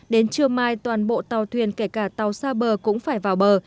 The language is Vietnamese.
đến trưa mai toàn bộ tàu thuyền kể cả tàu xa bờ cũng phải vào bờ